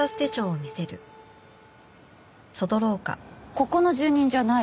ここの住人じゃない？